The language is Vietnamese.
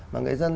mà người dân